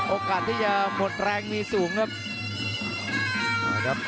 โอกาสที่จะหมดแรงมีสูงครับ